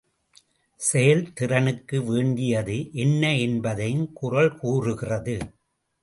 செயல் திறனுக்கு வேண்டியது என்ன என்பதையும் குறள் கூறுகிறது.